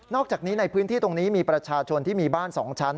อกจากนี้ในพื้นที่ตรงนี้มีประชาชนที่มีบ้าน๒ชั้น